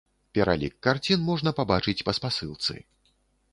Пералік карцін можна пабачыць па спасылцы.